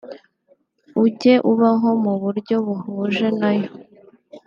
ujye ubaho mu buryo buhuje na yo